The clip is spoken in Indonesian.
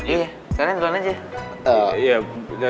ini tapi barang dua aja